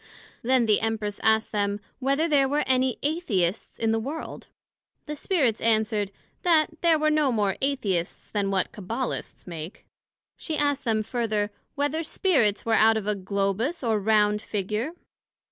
Then the Empress asked them, Whether there were any Atheists in the World? The Spirits answered, That there were no more Atheists then what Cabbalists make. she asked them further, Whether Spirits were of a globous or round Figure?